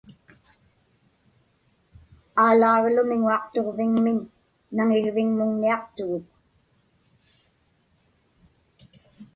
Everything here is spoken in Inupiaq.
Aalaaglu miŋuaqtuġviŋmiñ naŋirviŋmuŋniaqtuguk.